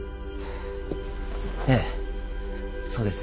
ええそうです。